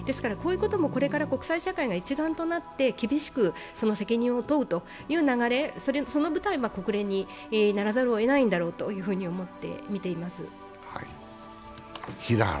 こういうこともこれから国際社会が一丸となって厳しく責任を問うという流れ、その舞台は国連にならざるをえないだろうと思って見ています。